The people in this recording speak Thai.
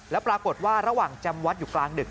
แล้วปรากฏว่าระหว่างจำวัดอยู่กลางดึก